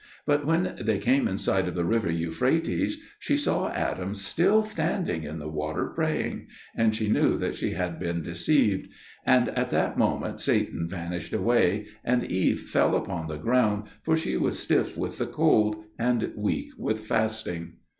But when they came in sight of the river Euphrates, she saw Adam still standing in the water praying, and she knew that she had been deceived; and at that moment Satan vanished away, and Eve fell upon the ground, for she was stiff with the cold, and weak with fasting.